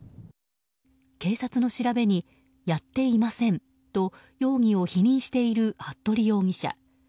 警察の調べに、やっていませんと容疑を否認している服部容疑者。